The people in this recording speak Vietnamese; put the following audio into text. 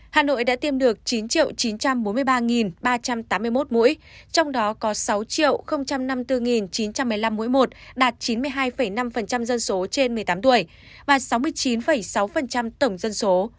hà nội đã tiêm được chín chín trăm bốn mươi ba ba trăm tám mươi một mũi trong đó có sáu năm mươi bốn chín trăm một mươi năm mũi một đạt chín mươi hai năm dân số trên một mươi tám tuổi và sáu mươi chín sáu tổng dân số